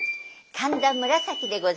神田紫でございます。